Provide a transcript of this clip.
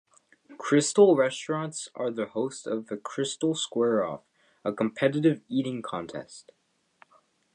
Krystal restaurants are the host of the Krystal Square Off, a competitive eating contest.